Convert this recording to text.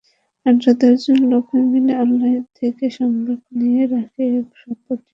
আট-দশজন লোক মিলে অনলাইন থেকে সংবাদ নিয়ে রাতে এসব পত্রিকা বের করে।